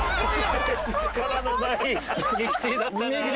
力のない「ミキティ」だったな。